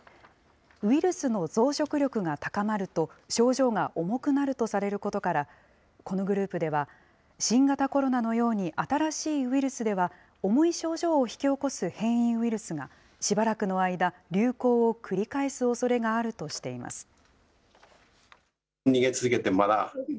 ウイルスの増殖力が高まると、症状が重くなるとされることから、このグループでは、新型コロナのように新しいウイルスでは、重い症状を引き起こす変異ウイルスがしばらくの間、流行を繰り返すおそれがあるとしています。